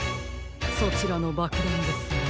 そちらのばくだんですが。